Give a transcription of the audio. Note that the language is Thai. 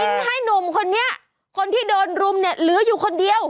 ให้หนุ่มคนนี้คนที่โดนรุมเนี่ยเหลืออยู่คนเดียว